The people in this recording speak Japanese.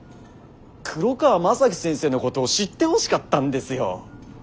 黒川政樹先生のことを知ってほしかったんですよ。